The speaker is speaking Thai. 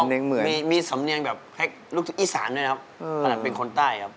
นะมีสำเนียงแบบลูกชุดอีสานด้วยครับแต่เป็นคนใต้ครับ